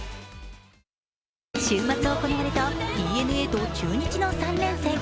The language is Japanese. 週末行われたＤｅＮＡと中日の３連戦。